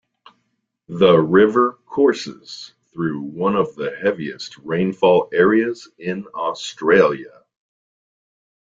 The river courses through one of the heaviest rainfall areas in Australia.